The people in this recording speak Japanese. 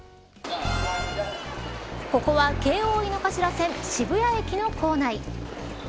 ここは京王井の頭線、渋谷駅の構内。